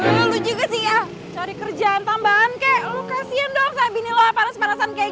lu juga sih ya cari kerjaan tambahan kek lu kasihan dong sabi nih lo panas panasan kayak